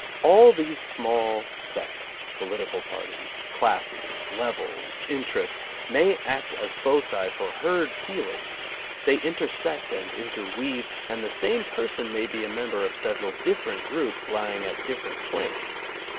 All these small sects, political parties, classes, levels, in terests, may act as foci for herd feelings. They intersect and interweave, and the same person may be a member of several different groups lying at different planes.